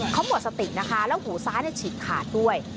เขาหมดสตินะคะแล้วหูซ้ายฉีกขาดด้วย